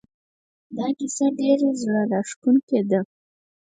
دا کیسه ډېره زړه راښکونکې ده